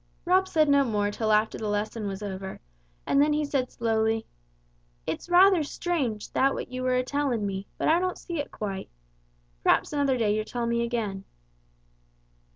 Rob said no more till after the lesson was over, then he said slowly, "It's rather strange, that what you were a tellin' me, but I don't see it quite. P'raps another day you'll tell me again."